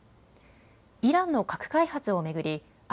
イランの核開発を巡り